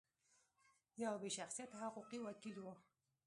یو بې شخصیته حقوقي وکیل و.